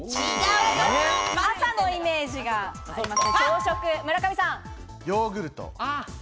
朝のイメージがあります。